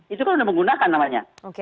itu kan sudah menggunakan namanya